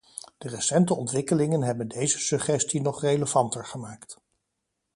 De recente ontwikkelingen hebben deze suggestie nog relevanter gemaakt.